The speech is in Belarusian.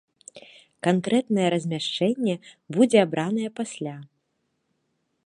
Канкрэтнае размяшчэнне будзе абранае пасля.